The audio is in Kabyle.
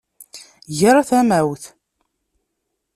Ger tamawt.